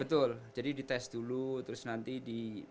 betul jadi di test dulu terus nanti di